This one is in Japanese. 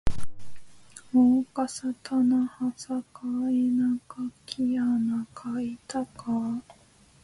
あおかさたなはさかえなかきあなかいたかあ